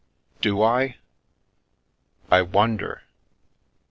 " Do I ? I wonder.